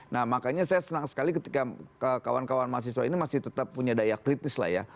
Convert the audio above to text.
nah makanya saya senang sekali ketika kawan kawan mahasiswa ini masih tetap punya daya kritis lah ya